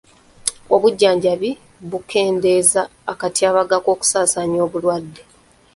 Obujjanjabi bukendeeza akatyabaga k'okusaasaanya obulwadde.